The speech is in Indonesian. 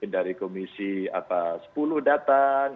dari komisi sepuluh datang